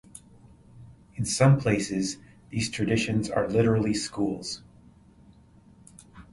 In some places, these traditions are literally schools.